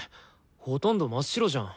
ほとんど真っ白じゃん。